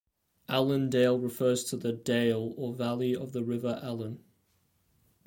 Allendale refers to the "dale" or valley of the River Allen.